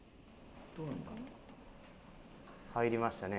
入りましたね。